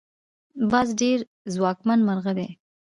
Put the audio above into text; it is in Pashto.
باز ډیر ځواکمن مرغه دی